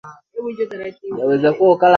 kwa matumizi ya binadamu